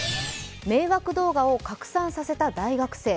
迷惑動画を拡散させた大学生。